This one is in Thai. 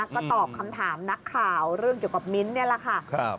ก็ตอบคำถามนักข่าวเรื่องเกี่ยวกับมิ้นท์นี่แหละค่ะ